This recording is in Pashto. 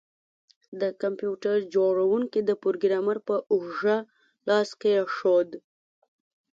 د کمپیوټر جوړونکي د پروګرامر په اوږه لاس کیښود